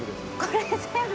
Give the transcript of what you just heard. これ全部？